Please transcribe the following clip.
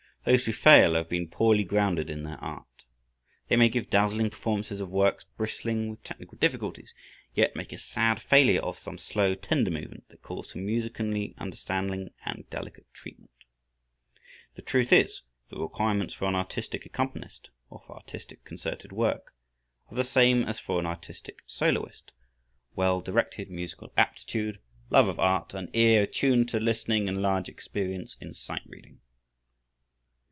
Those who fail have been poorly grounded in their art. They may give dazzling performances of works bristling with technical difficulties, yet make a sad failure of some slow, tender movement that calls for musicianly understanding and delicate treatment. The truth is, the requirements for an artistic accompanist, or for artistic concerted work, are the same as for an artistic soloist: well directed musical aptitude, love of art, an ear attuned to listening and large experience in sight reading.